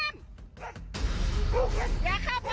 น้ำ